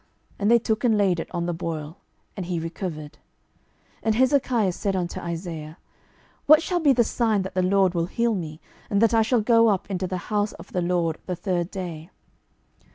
And they took and laid it on the boil, and he recovered. 12:020:008 And Hezekiah said unto Isaiah, What shall be the sign that the LORD will heal me, and that I shall go up into the house of the LORD the third day?